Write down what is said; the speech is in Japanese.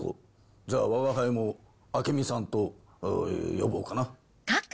じゃあわが輩も明美さんと呼ぼうかな。